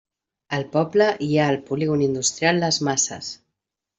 Al poble hi ha el polígon industrial les Masses.